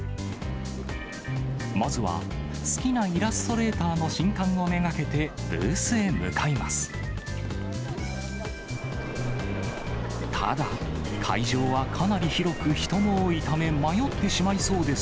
まずは、好きなイラストレーターの新刊を目がけてブースへ向かいます。